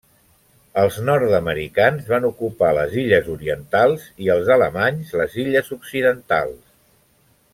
Els nord-americans van ocupar les illes orientals, i els alemanys les illes occidentals.